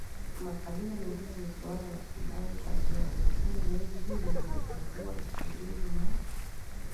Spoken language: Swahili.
makabila mengine ni suala la kudai haki yao lakini zoezi hili limepungua Ishirini na